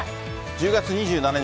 １０月２７日